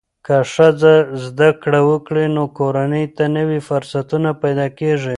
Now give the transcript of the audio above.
که ښځه زده کړه وکړي، نو کورنۍ ته نوې فرصتونه پیدا کېږي.